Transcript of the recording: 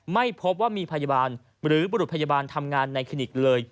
ไม่พบว่ามีพยาบาลหรือบุรุษพยาบาลทำงานในคลินิกเลย